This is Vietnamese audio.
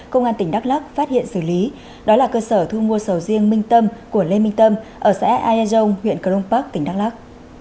công an tỉnh đắk lắc phát hiện xử lý đó là cơ sở thu mua sầu riêng minh tâm của lê minh tâm ở xã ay dông huyện crong park tỉnh đắk lắc